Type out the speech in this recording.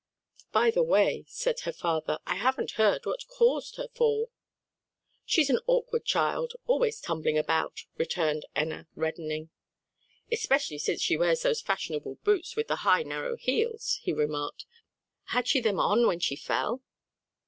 "By the way," said her father, "I haven't heard what caused her fall." "She's an awkward child, always tumbling about," returned Enna reddening. "Especially since she wears those fashionable boots with the high narrow heels," he remarked. "Had she them on when she fell?"